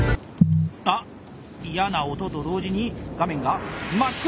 あっ嫌な音と同時に画面が真っ黒！